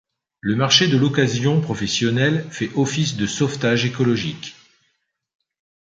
Le marché de l'occasion professionnel fait office de sauvetage écologique.